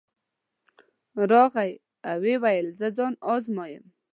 راغی او ویې ویل زه ځان ازمایم.